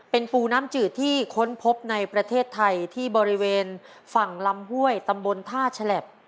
เป็นปูน้ำจืดที่ค้นพบในประเทศไทยที่บริเวณฝั่งลำห้วยตำบลท่าฉลับ